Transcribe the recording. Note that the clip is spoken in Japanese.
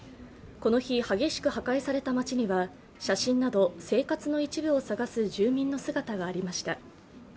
この日、激しく破壊された町には写真など生活の一部を探す住人の姿がありました。